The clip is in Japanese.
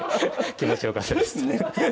気持ち良かったです。